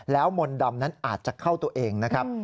มนต์ดำนั้นอาจจะเข้าตัวเองนะครับ